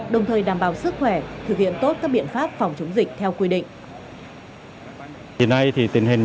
đồng thời đảm bảo sức khỏe thực hiện tốt các biện pháp phòng chống dịch theo quy định